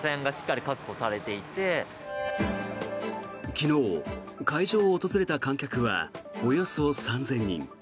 昨日、会場を訪れた観客はおよそ３０００人。